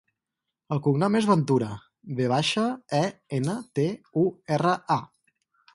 El cognom és Ventura: ve baixa, e, ena, te, u, erra, a.